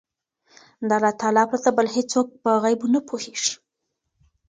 د الله تعالی پرته بل هيڅوک په غيبو نه پوهيږي